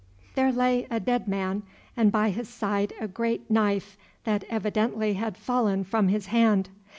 There lay a dead man, and by his side a great knife that evidently had fallen from his hand.